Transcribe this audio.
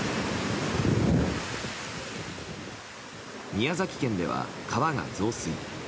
宮崎県では川が増水。